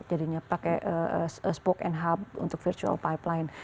jadinya pakai spoke and hub untuk virtual pipeline